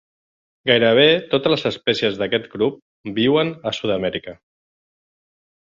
Gairebé totes les espècies d'aquest grup viuen a Sud-amèrica.